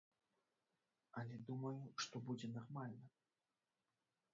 Але думаю, што будзе нармальна.